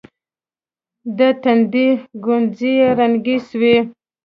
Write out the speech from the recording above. د تندي گونځې يې ړنګې سوې.